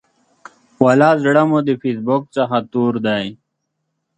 ولا زړه مو د فیسبوک څخه تور دی.